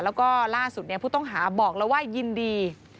แล้วก็ล่าสุดผู้ต้องหาบอกแล้วว่ายินดี